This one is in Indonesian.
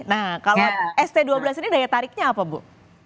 nah kalau st dua belas ini daya tariknya apa bu